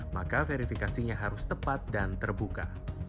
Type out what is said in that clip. maka verifikasinya harus tepat dan terbuka